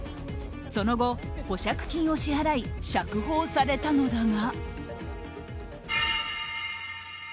その後、保釈金を支払い釈放されたのだが。